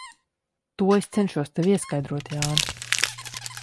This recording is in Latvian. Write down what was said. To es cenšos tev ieskaidrot, Jāni.